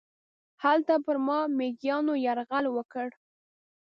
هلته پر ما میږیانو یرغل وکړ.